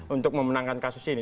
untuk memenangkan kasus ini